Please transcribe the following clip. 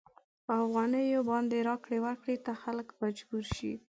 په افغانیو باندې راکړې ورکړې ته خلک مجبور شي.